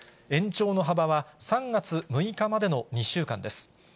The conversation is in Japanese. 延長の幅は３月６日までの２週間です。